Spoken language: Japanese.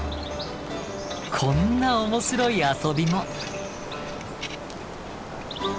こんな面白い遊びも。